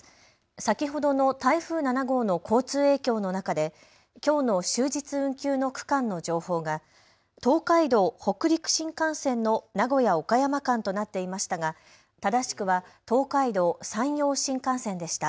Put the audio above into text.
先ほどの台風７号の交通影響の中できょうの終日運休の区間の情報が東海道・北陸新幹線の名古屋・岡山間となっていましたが正しくは東海道・山陽新幹線でした。